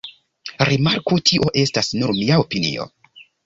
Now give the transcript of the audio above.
Rimarku: tio estas nur mia opinio.